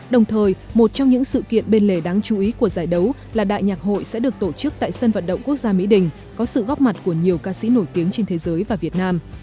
đồng thời một trong những sự kiện bên lề đáng chú ý của giải đấu là đại nhạc hội sẽ được tổ chức tại sân vận động quốc gia mỹ đình có sự góp mặt của nhiều ca sĩ nổi tiếng trên thế giới và việt nam